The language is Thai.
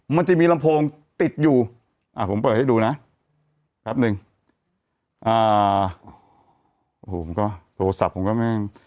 มันจะมีลำโพงติดอยู่อ่าผมเปิดให้ดูนะแป๊บหนึ่งอ่าผมก็โทรศัพท์ผมก็แม่ง